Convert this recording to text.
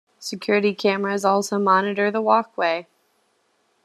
Security cameras also monitor the walkway.